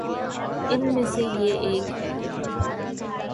ان میں سے یہ ایک ہے۔